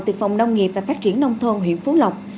tuyệt vọng nông nghiệp và phát triển nông thôn huyện phú lộc